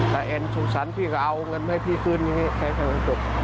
แต่แอนสงสัญพี่ก็เอาเงินให้พี่คืนอย่างนี้แค่แค่วันจุด